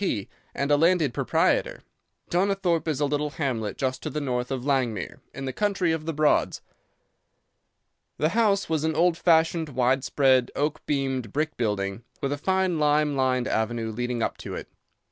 P. and a landed proprietor. Donnithorpe is a little hamlet just to the north of Langmere, in the country of the Broads. The house was an old fashioned, wide spread, oak beamed brick building, with a fine lime lined avenue leading up to it.